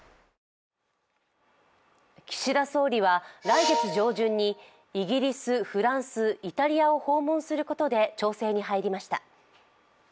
岸田総理は来月上旬にイギリス、フランス、イタリアを訪問することで調整に入りました。